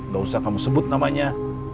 gak usah kamu sebut namanya